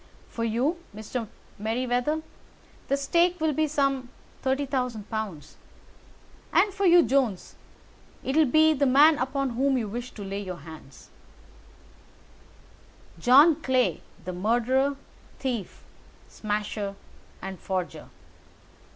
For you, Mr. Merryweather, the stake will be some £ 30,000; and for you, Jones, it will be the man upon whom you wish to lay your hands." "John Clay, the murderer, thief, smasher, and forger.